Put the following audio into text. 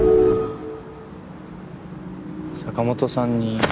坂本さんに。